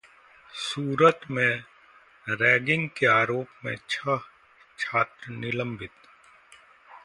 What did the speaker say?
सूरत में रैगिंग के आरोप में छह छात्र निलंबित